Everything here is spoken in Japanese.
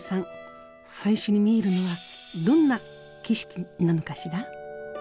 最初に見えるのはどんな景色なのかしら？